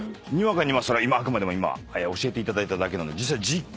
あくまでも今教えていただいただけなんで実際。